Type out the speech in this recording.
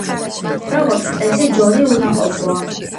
როგორც წესი, ჯორი უნაყოფოა.